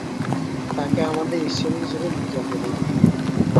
তাকে আমাদের ঈশ্বর হিসাবে পূজা করি।